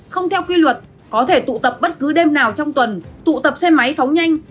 không theo quy luật có thể tụ tập bất cứ đêm nào trong tuần tụ tập xe máy phóng nhanh